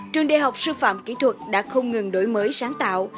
trường đại học sư phạm kỹ thuật đã không ngừng đổi mới sáng tạo